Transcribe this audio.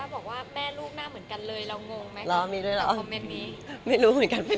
บางทีไม่ได้อ่านคำสั่งมา